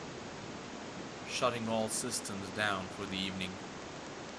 Shutting all systems down for the evening.